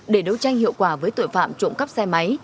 để đấu tranh hiệu quả với tội phạm trộm cắp xe máy